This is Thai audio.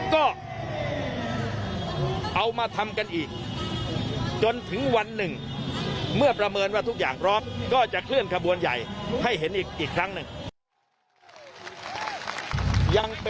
ก็เอามาทำกันอีกจนถึงวันหนึ่งเมื่อประเมินว่าทุกอย่างพร้อมก็จะเคลื่อนขบวนใหญ่ให้เห็นอีกครั้งหนึ่ง